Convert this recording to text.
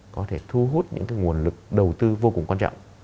có thể thu hút những nguồn lực đầu tư vô cùng quan trọng